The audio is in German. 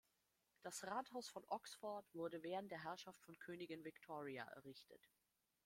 Das Rathaus von Oxford wurde während der Herrschaft von Königin Victoria errichtet.